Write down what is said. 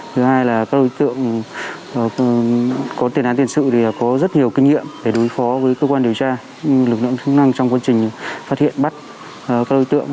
thứ hai là các đối tượng có tiền án tiền sự thì có rất nhiều kinh nghiệm để đối phó với cơ quan điều tra lực lượng chức năng trong quá trình phát hiện bắt các đối tượng